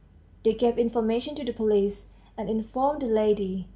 They gave information to the police, and informed the lady.